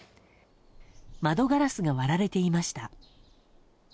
窓ガラスが割られていました。